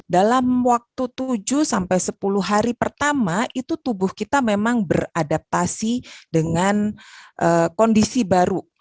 dalam waktu tujuh sampai sepuluh hari pertama itu tubuh kita memang beradaptasi dengan kondisi baru